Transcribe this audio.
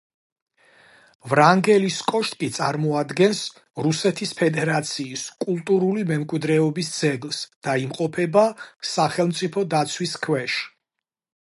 ვრანგელის კოშკი წარმოადგენს რუსეთის ფედერაციის კულტურული მემკვიდრეობის ძეგლს და იმყოფება სახელმწიფო დაცვის ქვეშ.